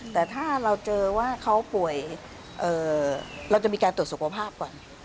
แต่ถ้าเราเจอว่าเขาป่วยเราจะมีการตรวจสุขภาพก่อน